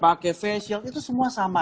pakai face shield itu semua sama